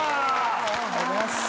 ありがとうございます。